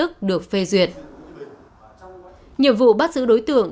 có kết thúc gì không